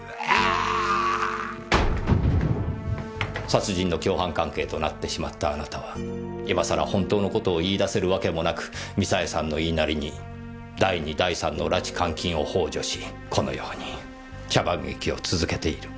殺人の共犯関係となってしまったあなたは今さら本当のことを言い出せるわけもなくミサエさんの言いなりに第２第３の拉致監禁をほう助しこのように茶番劇を続けている。